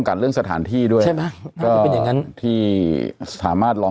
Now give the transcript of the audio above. แอนนาไม่ได้มา